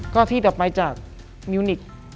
ก็ที่ดับไฟจากมิวนิก